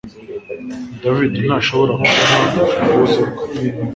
David ntashobora kubona urufunguzo rwe